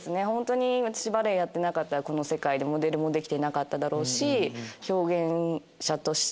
ホントに私バレエやってなかったらこの世界でモデルもできてなかっただろうし。